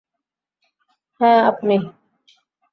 হ্যাঁ, আপনি।